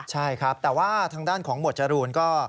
ใช่ครับแต่ว่าทางด้านของหมวดจรูนก็